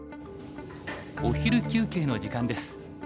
お昼休憩の時間です。